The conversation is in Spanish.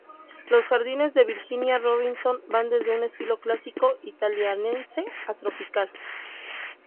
Los Jardines de Virginia Robinson van desde un estilo clásico italianizante a Tropical.